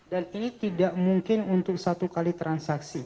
dan ini tidak mungkin untuk satu kali transaksi